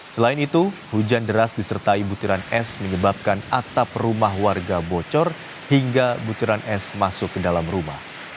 selain itu hujan deras disertai butiran es menyebabkan atap rumah warga bocor hingga butiran es masuk ke dalam rumah